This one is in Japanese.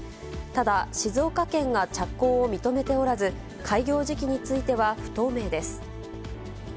ただ、静岡県が着工を認めておらず、開業時期については不透明です。